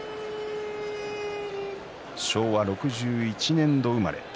昭和６１年度生まれ宝